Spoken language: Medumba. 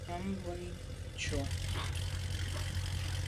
Nya bùnte ndù.